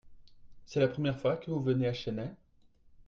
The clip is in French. C'est la première fois que vous venez à Chennai ?